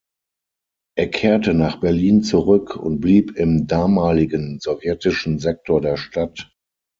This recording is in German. Er kehrte nach Berlin zurück und blieb im damaligen sowjetischen Sektor der Stadt.